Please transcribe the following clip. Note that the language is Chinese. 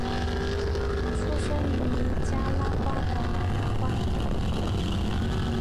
出生于尼加拉瓜的马拿瓜。